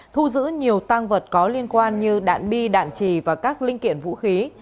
thu giữ nhiều tăng vật có liên quan như đạn bi đạn trì và các linh kiện vũ khí